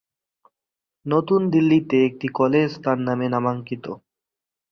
নতুন দিল্লিতে একটি কলেজ তার নামে নামাঙ্কিত।